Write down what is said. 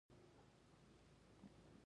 په رسمي اسنادو کې په تفصیل سره بیان شوی.